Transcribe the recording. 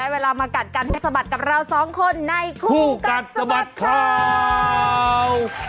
เวลามากัดกันให้สะบัดกับเราสองคนในคู่กัดสะบัดข่าว